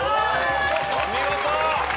お見事！